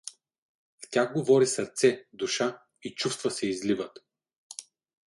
В тях говори сърце, душа и чувства се изливат.